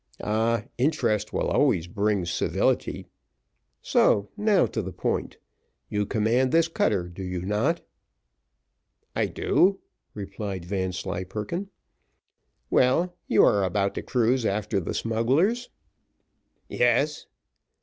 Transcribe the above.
"Ah! interest will always bring civility; so now to the point. You command this cutter, do you not?" "I do," replied Vanslyperken. "Well, you are about to cruise after the smugglers?" "Yes."